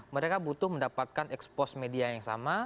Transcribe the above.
mereka butuh mendapatkan expose media yang sama